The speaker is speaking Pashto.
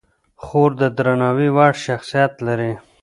خور د درناوي وړ شخصیت لري.